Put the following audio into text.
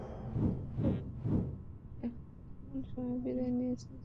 সেই রিওতে যখন অলিম্পিক চলছে, ঠিক এমন সময় বিদায় নিলেন জোয়াও হ্যাভেলাঞ্জ।